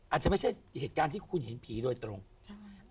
อาจจะไม่ใช่เหตุการณ์ที่คุณเห็นผีโดยตรงใช่